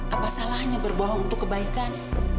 apa salahnya berbohong untuk kebaikan